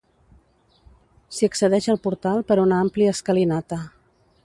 S'hi accedeix al portal per una àmplia escalinata.